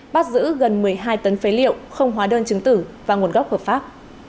bắt giữ gần một mươi hai tấn phế liệu không hóa đơn chứng tử và nguồn gốc hợp pháp